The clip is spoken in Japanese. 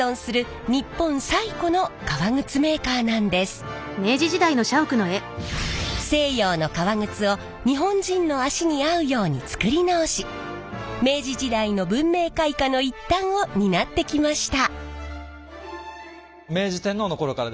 こちらの会社は西洋の革靴を日本人の足に合うようにつくり直し明治時代の文明開化の一端を担ってきました。